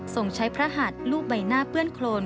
ส่งใช้พระหัดรูปใบหน้าเปื้อนโครน